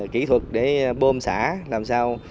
kỹ thuật để bôm xả làm sao